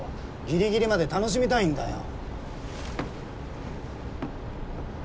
ギリギリまで楽しみたいんだよ。